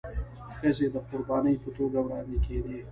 ښځي د قرباني په توګه وړاندي کيدي.